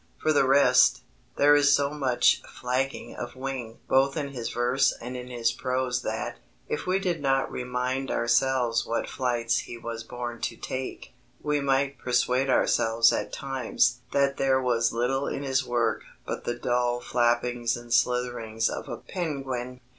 For the rest, there is so much flagging of wing both in his verse and in his prose that, if we did not remind ourselves what flights he was born to take, we might persuade ourselves at times that there was little in his work but the dull flappings and slitherings of a penguin.